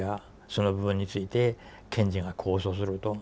その部分について検事が控訴すると。